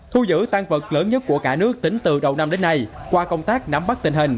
thu giữ tan vật lớn nhất của cả nước tính từ đầu năm đến nay qua công tác nắm bắt tình hình